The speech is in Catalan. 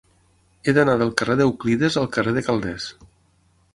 He d'anar del carrer d'Euclides al carrer de Calders.